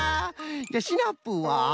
じゃシナプーは？